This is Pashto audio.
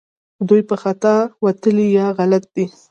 دوی په خطا وتلي یا غلط دي